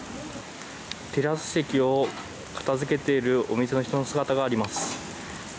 テラス席を片付けているお店の人の姿があります。